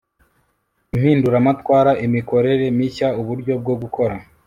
Impinduramatwara Imikorere mishya uburyo bwo gukora